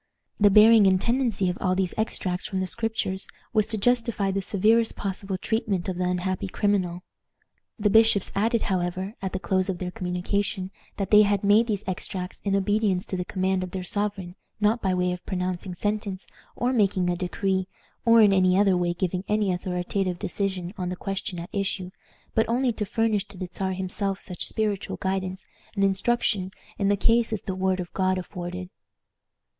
The bearing and tendency of all these extracts from the Scriptures was to justify the severest possible treatment of the unhappy criminal. The bishops added, however, at the close of their communication, that they had made these extracts in obedience to the command of their sovereign, not by way of pronouncing sentence, or making a decree, or in any other way giving any authoritative decision on the question at issue, but only to furnish to the Czar himself such spiritual guidance and instruction in the case as the word of God afforded.